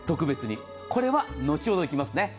これは後ほどいきますね。